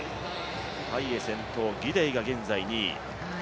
タイエ先頭ギデイが現在２位。